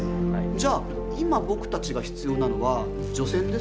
じゃあ今僕たちが必要なのは除染ですか？